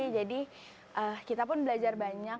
jadi kita pun belajar banyak